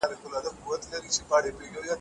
دا ښځي چي کڼې دي نو ولي يې غم نه دی خوړل سوی ؟